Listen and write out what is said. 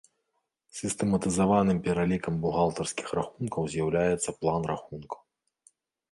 Сістэматызаваным пералікам бухгалтарскіх рахункаў з'яўляецца план рахункаў.